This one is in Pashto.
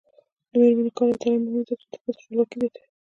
د میرمنو کار او تعلیم مهم دی ځکه چې ښځو خپلواکي زیاتوي.